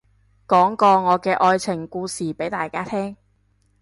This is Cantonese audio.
講個我嘅愛情故事俾大家聽